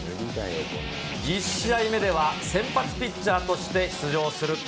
１０試合目では、先発ピッチャーとして出場すると。